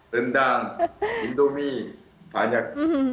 rendang indomie banyak